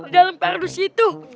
dalam paradus itu